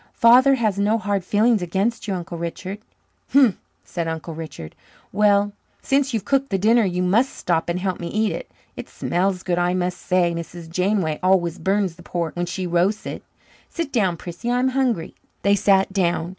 Father has no hard feelings against you, Uncle Richard." "Humph!" said Uncle Richard. "Well, since you've cooked the dinner you must stop and help me eat it. It smells good, I must say. Mrs. Janeway always burns pork when she roasts it. Sit down, Prissy. I'm hungry." They sat down.